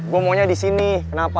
gue maunya di sini kenapa